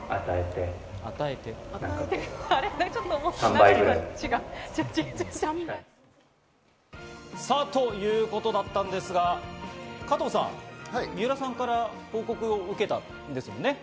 その時。ということだったんですが、加藤さん、水卜さんから報告を受けたんですよね。